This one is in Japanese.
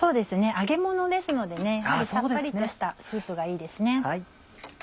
揚げものですのでやはりさっぱりとしたスープがいいですね。